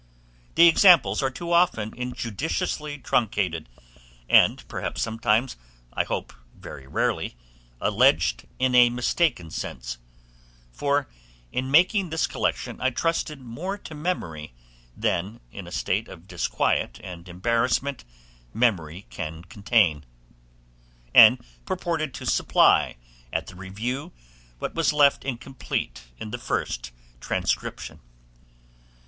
The examples are too often injudiciously truncated, and perhaps sometimes I hope very rarely alleged in a mistaken sense; for in making this collection I trusted more to memory, than, in a state of disquiet and embarrassment, memory can contain, and purposed to supply at the review what was left incomplete in the first transcription.